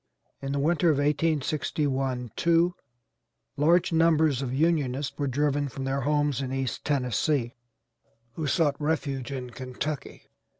In the winter of 1861 2 large numbers of Unionists were driven from their homes in East Tennessee, who sought refuge in Kentucky.